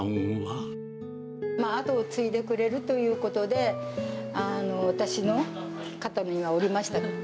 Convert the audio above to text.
後を継いでくれるということで、私の肩の荷は下りました。